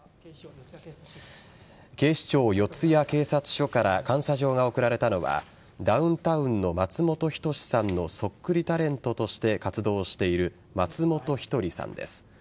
警視庁四谷警察署から感謝状が贈られたのはダウンタウンの松本人志さんのそっくりタレントとして活動している松本一人さんです。